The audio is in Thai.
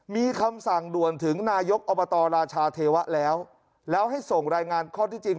มีคำสั่งด่วนถึงนายกอบตราชาเทวะแล้วแล้วให้ส่งรายงานข้อที่จริง